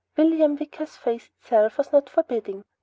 William Wicker's face in itself was not forbidding.